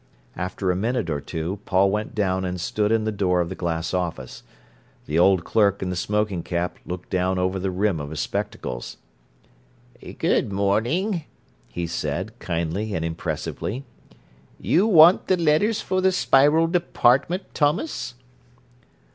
After a minute or two Paul went down and stood in the door of the glass office. The old clerk in the smoking cap looked down over the rim of his spectacles. "Good morning," he said, kindly and impressively. "You want the letters for the Spiral department, Thomas?"